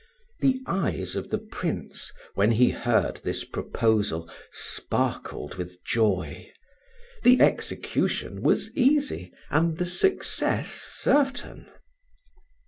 The eyes of the Prince, when he heard this proposal, sparkled with joy. The execution was easy and the success certain.